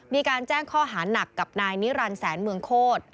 มีการแจ้งข้อหานักกับนายนิรันดิแสนเมืองโคตร